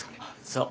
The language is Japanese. そう。